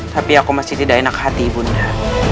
tapi aku masih tidak enak hati ibunda